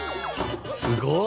すごい！